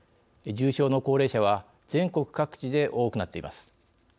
重症の高齢者は全国各地で多くなっています。